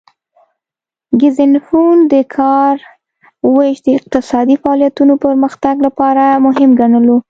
ګزنفون د کار ویش د اقتصادي فعالیتونو پرمختګ لپاره مهم ګڼلو